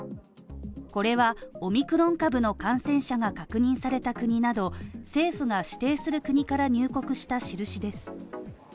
これはオミクロン株の感染者が確認された国など、政府が指定する国から入国した印です。